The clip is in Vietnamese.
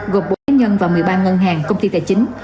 gồm bốn nhân và một mươi ba ngân hàng công ty tài chính